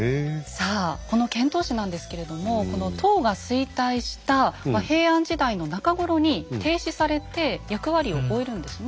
さあこの遣唐使なんですけれどもこの唐が衰退した平安時代の中頃に停止されて役割を終えるんですよね。